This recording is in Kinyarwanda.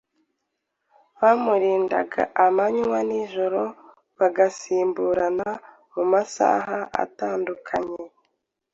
bamurindaga amanywa n’ijoro bagasimburana mu masaha atandukanye.